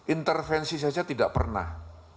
intervensi saja tidak pernah